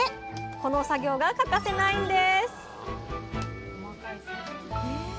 この作業が欠かせないんです